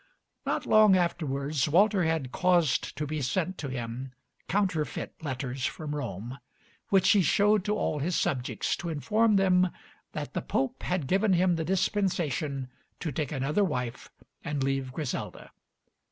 Not long afterwards, Walter had caused to be sent to him counterfeit letters from Rome, which he showed to all his subjects to inform them that the Pope had given him the dispensation to take another wife and leave Griselda.